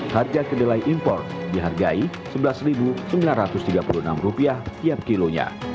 harga kedelai impor dihargai rp sebelas sembilan ratus tiga puluh enam tiap kilonya